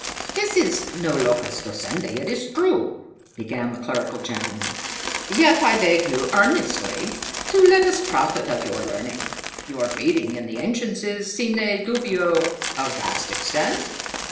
"This is no locus docendi, it is true," began the clerical gentleman; "yet I beg you earnestly to let us profit by your learning. Your reading in the ancients is, sine dubio, of vast extent?"